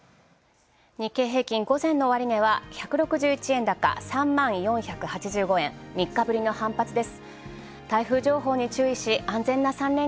日経平均、午前の終値は１６１円高３０４８５円３日ぶりの反発です。